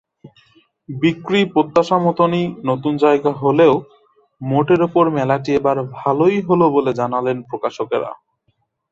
বিক্রি প্রত্যাশামতোইনতুন জায়গা হলেও মোটের ওপর মেলাটি এবার ভালোই হলো বলে জানালেন প্রকাশকেরা।